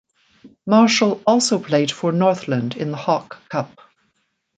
Marshall also played for Northland in the Hawke Cup.